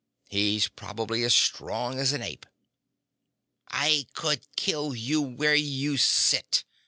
He's probably as strong as an ape."_ "I could kill you where you sit!"